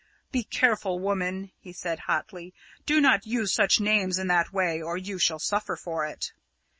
"Be careful, woman," he said hotly. "Do not use such names in that way, or you shall suffer for it."